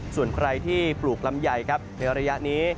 ส่วนใครที่ปลูกลำไยในอรัยะนี้